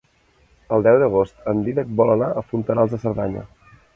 El deu d'agost en Dídac vol anar a Fontanals de Cerdanya.